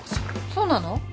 そうなの？